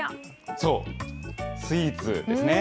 そう、スイーツですね。